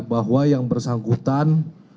bahwa yang bersangkutan